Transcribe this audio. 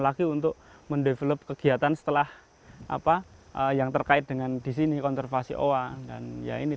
lagi untuk mendevelop kegiatan setelah apa yang terkait dengan disini konservasi oa dan ya ini